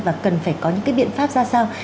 và cần phải có những cái biện pháp ra sao